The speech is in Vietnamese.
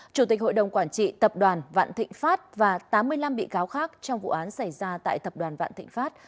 chủ tịch hội đồng quản trị tập đoàn vạn thịnh pháp và tám mươi năm bị cáo khác trong vụ án xảy ra tại tập đoàn vạn thịnh pháp